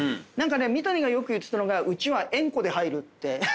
三谷がよく言ってたのがうちは縁故で入るって。